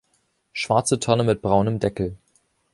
Schwarze Tonne mit braunem Deckel.